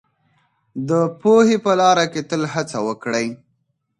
د پوهې په لاره کي تل هڅه وکړئ.